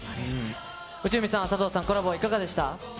内海さん、佐藤さん、コラボいかがでした？